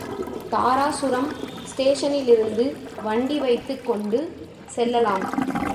தாராசுரம் ஸ்டேஷனிலிருந்து வண்டி வைத்துக் கொண்டு செல்லலாம்.